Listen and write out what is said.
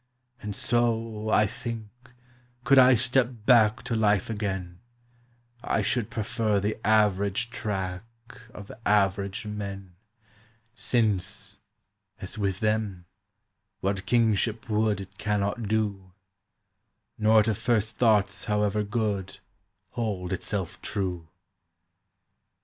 And so, I think, could I step back To life again, I should prefer the average track Of average men, Since, as with them, what kingship would It cannot do, Nor to first thoughts however good Hold itself true.